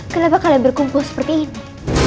kenapa kalian berkumpul seperti ini